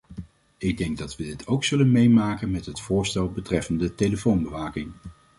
Ik denk dat we dit ook zullen meemaken met het voorstel betreffende telefoonbewaking.